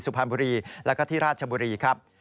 สุพรรณบุรีแล้วก็ที่ราชบุรีครับ